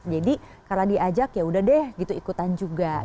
jadi karena diajak yaudah deh gitu ikutan juga